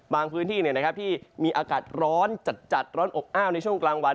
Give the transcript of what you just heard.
บางพื้นที่เนี่ยนะครับที่มีอากาศร้อนจัดร้อนอกอ้าวในช่วงกลางวัน